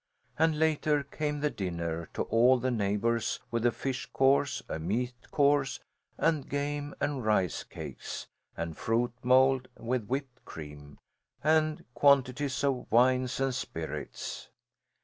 And later came the dinner to all the neighbours with a fish course, a meat course, and game, and rice cakes, and fruit mold with whipped cream, and quantities of wines and spirits.